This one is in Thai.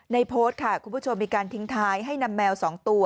โพสต์ค่ะคุณผู้ชมมีการทิ้งท้ายให้นำแมว๒ตัว